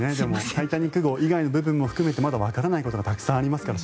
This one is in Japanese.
「タイタニック号」以外のことも含めてまだわからないことがたくさんありますから。